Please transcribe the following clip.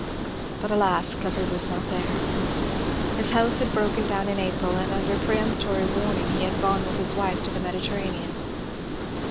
But alas, Clifford was not there. His health had broken down in April, and under peremptory warning he had gone with his wife to the Mediterranean.